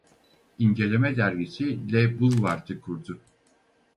İnceleme dergisi "Le Boulevard"ı kurdu.